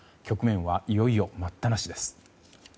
局面はいよいよ待ったなしです。